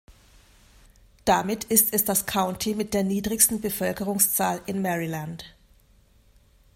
Damit ist es das County mit der niedrigsten Bevölkerungszahl in Maryland.